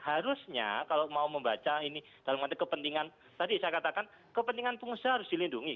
harusnya kalau mau membaca ini dalam konteks kepentingan tadi saya katakan kepentingan pengusaha harus dilindungi